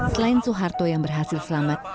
selain soeharto yang berhasil selamat